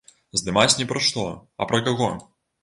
Здымаць не пра што, а пра каго.